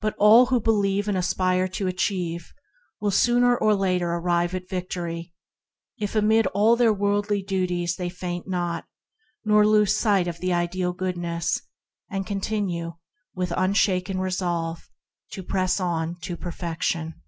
But all who believe and aspire to achieve will sooner or later arrive at victory if, amid all their worldly duties, they faint not, keep sight of the Ideal Goodness, and continue, with unshaken resolve, to "press on to Per fection."